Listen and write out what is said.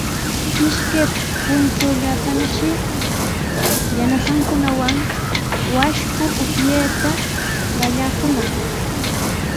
Ishkay puntrawllatanashi yanasankunawan washku upyayta qallaykunaq.